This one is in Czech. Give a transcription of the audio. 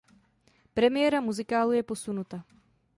Premiéra muzikálu je posunuta.